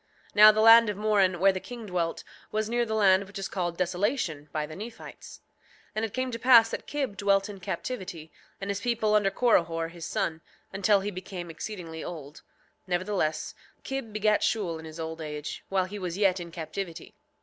7:6 Now the land of Moron, where the king dwelt, was near the land which is called Desolation by the Nephites. 7:7 And it came to pass that Kib dwelt in captivity, and his people under Corihor his son, until he became exceedingly old; nevertheless Kib begat Shule in his old age, while he was yet in captivity.